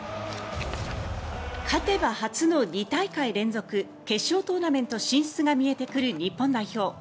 勝てば、初の２大会連続決勝トーナメント進出が見えてくる日本代表。